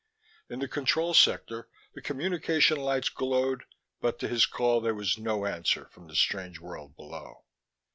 In the control sector the communicator lights glowed, but to his call there was no answer from the strange world below.